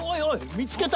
見つけた！